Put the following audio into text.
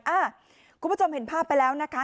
คุณผู้ชมเห็นภาพไปแล้วนะคะ